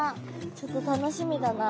ちょっと楽しみだな。